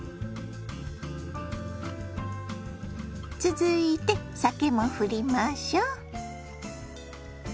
続いて酒もふりましょ。